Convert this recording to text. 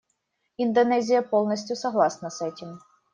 Индонезия полностью согласна с этим.